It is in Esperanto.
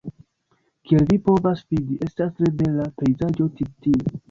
Kiel vi povas vidi, estas tre bela pejzaĝo ĉi tie.